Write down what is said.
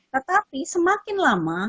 tetapi semakin lama